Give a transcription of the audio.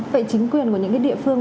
vậy chính quyền của những cái địa phương